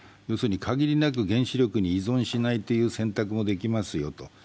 要するに限りなく原子力に依存しないという選択もできますよと。